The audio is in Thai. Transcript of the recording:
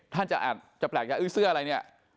ท่านจะแปลกว่าเสื้ออะไรเนี่ย